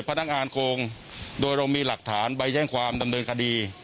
พนักงานโครงโดยรวมมีหลักฐานใบแช่นความดำเนินคดี